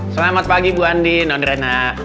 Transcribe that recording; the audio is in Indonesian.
selamat pagi bu andin nondrena